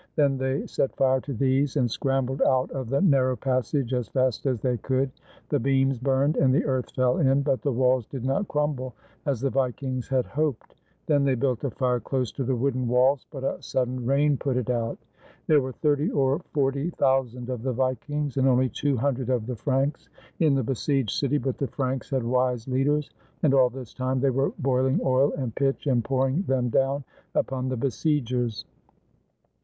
Then they set fire to these and scrambled out of the narrow passage as fast as they could. The beams burned and the earth fell in, but the walls did not crumble as the Vikings had hoped. Then they built a fire close to the wooden walls, but a sudden rain put it out. There were thirty or forty thousand of the Vikings, and only two hundred of the Franks in the besieged city; but the Franks had wise leaders, and all this time they were boiling oil and pitch and pouring them down upon the besiegers.